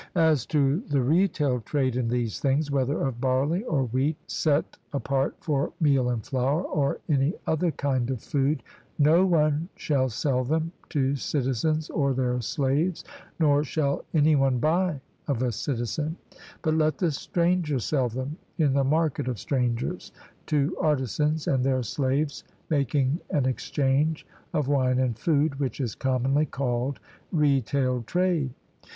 As to the retail trade in these things, whether of barley or wheat set apart for meal and flour, or any other kind of food, no one shall sell them to citizens or their slaves, nor shall any one buy of a citizen; but let the stranger sell them in the market of strangers, to artisans and their slaves, making an exchange of wine and food, which is commonly called retail trade.